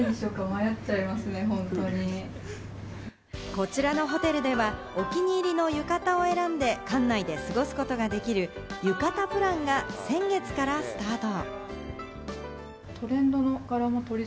こちらのホテルでは、お気に入りの浴衣を選んで館内で過ごすことができる浴衣プランが先月からスタート。